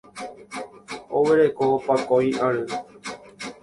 Oguereko pakõi ary.